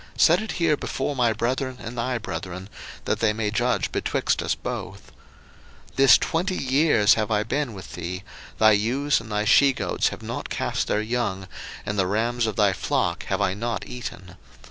set it here before my brethren and thy brethren, that they may judge betwixt us both. 01:031:038 This twenty years have I been with thee; thy ewes and thy she goats have not cast their young, and the rams of thy flock have I not eaten.